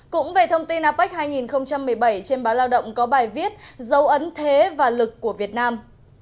cũng về thông tin apec hai nghìn một mươi bảy trên báo lao động có bài viết dấu ấn thế và lực của việt nam